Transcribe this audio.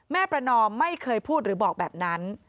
ประนอมไม่เคยพูดหรือบอกแบบนั้น